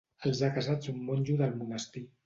Els ha casats un monjo del monestir.